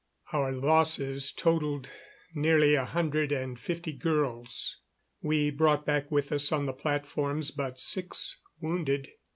Our losses totaled nearly a hundred and fifty girls. We brought back with us on the platforms but six wounded.